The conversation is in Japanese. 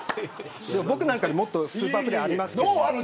僕なんかよりもっとスーパープレーありますけど。